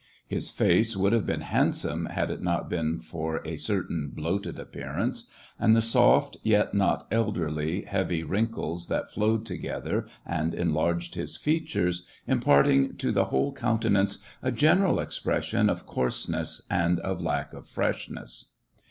His face would have been handsome had it not been for a certain bloated appearance, and the soft, yet not elderly, heavy wrinkles that flowed together and enlarged his features, imparting to the whole countenance a general expression of coarseness and of lack of freshness.